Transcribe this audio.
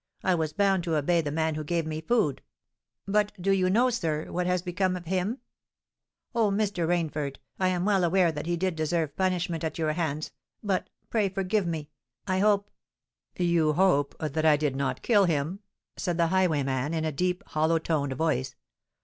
I was bound to obey the man who gave me food. But do you know, sir, what has become of him? Oh! Mr. Rainford—I am well aware that he did deserve punishment at your hands; but—pray forgive me—I hope——" "You hope that I did not kill him?" said the highwayman in a deep, hollow toned voice.